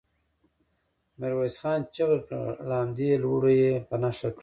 ميرويس خان چيغه کړه! له همدې لوړو يې په نښه کړئ.